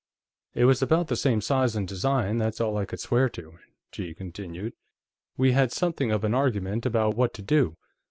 It was about the same size and design; that's all I could swear to." She continued: "We had something of an argument about what to do.